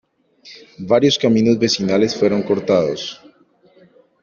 Varios caminos vecinales fueron cortados.